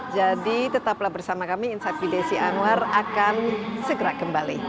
jadi tetaplah bersama kami insak bide syi anwar akan segera kembali